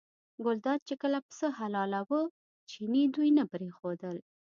ګلداد چې کله پسه حلالاوه چیني دوی نه پرېښودل.